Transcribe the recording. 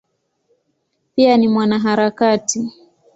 Pia ni mwanaharakati.